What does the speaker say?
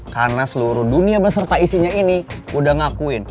karena seluruh dunia berserta isinya ini udah ngakuin